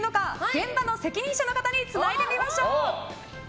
現場の責任者の方につないでみましょう。